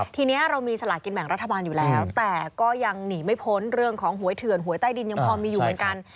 ทีนี้เรามีสลากินแบ่งรัฐบาลอยู่แล้วแต่ก็ยังหนีไม่พ้นเรื่องของหวยเถื่อนหวยใต้ดินยังพอมีอยู่เหมือนกัน